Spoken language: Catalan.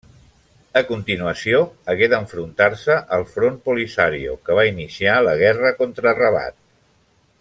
A continuació hagué d'enfrontar-se al Front Polisario, que va iniciar la guerra contra Rabat.